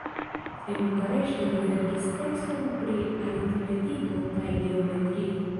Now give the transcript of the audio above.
En Bukareŝto li verkis tekston pri aritmetiko kaj geometrio.